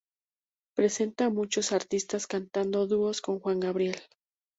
Presenta a muchos artistas cantando dúos con Juan Gabriel.